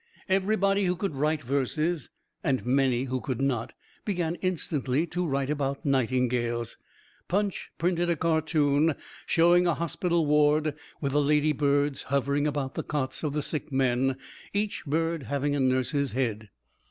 Everybody who could write verses (and many who could not), began instantly to write about nightingales. Punch printed a cartoon showing a hospital ward, with the "ladybirds" hovering about the cots of the sick men, each bird having a nurse's head.